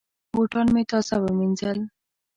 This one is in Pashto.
بوټان مې تازه وینځل.